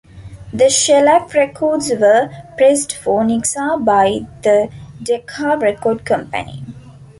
The shellac records were pressed for Nixa by the Decca Record Company.